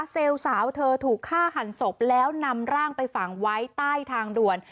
สาวเธอถูกฆ่าหันศพแล้วนำร่างไปฝังไว้ใต้ทางด่วน